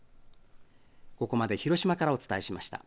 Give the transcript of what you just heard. ここまで広島からお伝えしました。